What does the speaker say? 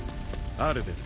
アルベル！